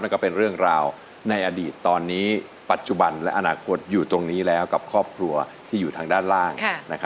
ก็เป็นเรื่องราวในอดีตตอนนี้ปัจจุบันและอนาคตอยู่ตรงนี้แล้วกับครอบครัวที่อยู่ทางด้านล่าง